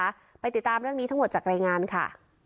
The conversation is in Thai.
ไปติดตามเรื่องนี้ทั้งหมดจากรายงานค่ะ